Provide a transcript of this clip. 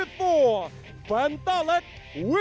คนนี้มาจากอำเภออูทองจังหวัดสุภัณฑ์บุรีนะครับ